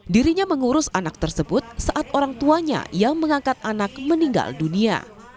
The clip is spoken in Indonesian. dirinya mengurus anak tersebut saat orang tuanya yang mengangkat anak meninggal dunia